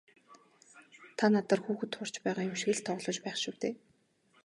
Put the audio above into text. Та надаар хүүхэд хуурч байгаа юм шиг л тоглож байх шив дээ.